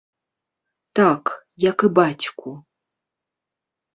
Так, як і бацьку.